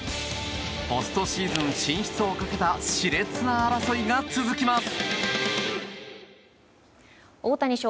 ポストシーズン進出をかけた熾烈な争いが続きます。